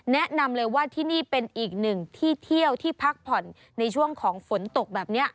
แนะนำเลยว่าที่นี่เป็นอีกหนึ่งที่เที่ยวที่พักผ่อนในช่วงของฝนตกแบบนี้